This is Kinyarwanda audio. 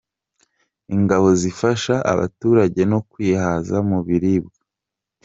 Ingabo zifasha abaturage no kwihaza mu biribwa